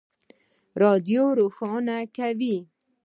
د رادیوم روښانه کوي.